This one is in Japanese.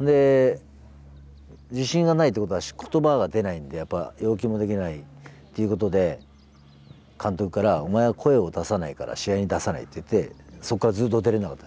で自信がないってことは言葉が出ないんで要求もできないっていうことで監督から「お前は声を出さないから試合に出さない」っていってそこからずっと出れなかったです。